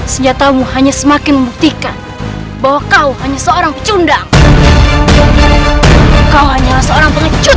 senyata mu hanya semakin membuktikan bahwa kau hanya seorang pecundang kau hanya seorang pengecut